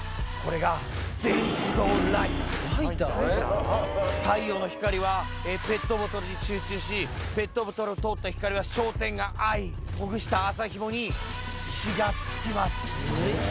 これが太陽の光はペットボトルに集中しペットボトルを通った光は焦点があいほぐした麻ヒモに火がつきます